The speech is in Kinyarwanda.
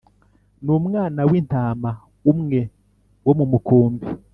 n umwana w intama umwe wo mu mukumbi